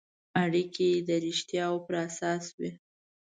اړیکې یې د رښتیاوو پر اساس وي.